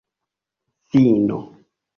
fino